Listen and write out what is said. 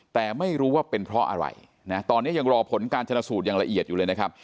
แต่ไม่รู้ว่าเป็นเพราะอะไรนะตอนนี้ยังรอผลการชนะสูตรอย่างละเอียดอยู่เลยนะครับ